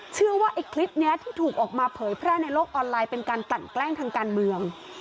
เชื่อว่าไอ้คลิปนี้ที่ถูกออกมาเผยแพร่ในโลกออนไลน์เป็นการกลั่นแกล้งทางการเมือง